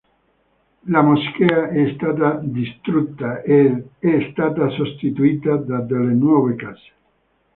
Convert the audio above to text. La moschea è stata distrutta ed è stata sostituita da delle nuove case.